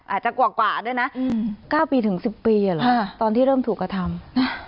อาจจะกว่ากว่าด้วยนะอืมเก้าปีถึงสิบปีอ่ะเหรอฮะตอนที่เริ่มถูกกระทำ